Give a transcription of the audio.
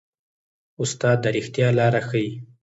استاد د ریښتیا لاره ښيي.